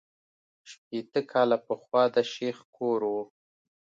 شپېته کاله پخوا د شیخ کور وو.